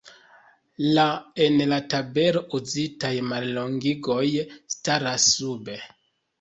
La en la tabelo uzitaj mallongigoj staras sube.